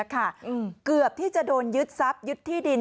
เกือบที่จะโดนยึดทรัพยึดที่ดิน